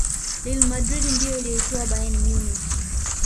real madrid ndiyo iliyoitoa bayern munich